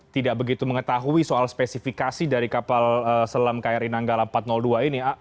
tidak begitu mengetahui soal spesifikasi dari kapal selam kri nanggala empat ratus dua ini